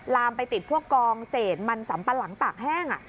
ลามไปติดพวกกองเศษมันสัมปะหลังตากแห้ง